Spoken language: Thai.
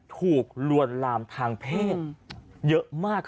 ถูกลวนลามทางเพศเยอะมากเลย